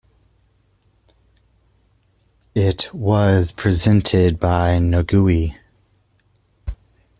It was presented by Nagui.